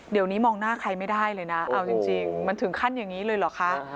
เดี๋ยวนี้มองหน้าใครไม่ได้เลยนะเอาจริงมันถึงขั้นอย่างนี้เลยเหรอคะ